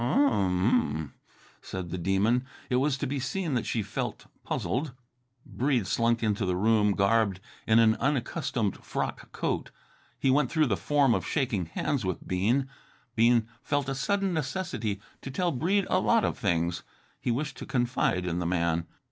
"U u u mmm!" said the Demon. It was to be seen that she felt puzzled. Breede slunk into the room, garbed in an unaccustomed frock coat. He went through the form of shaking hands with Bean. Bean felt a sudden necessity to tell Breede a lot of things. He wished to confide in the man.